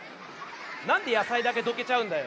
なんでやさいだけどけちゃうんだよ。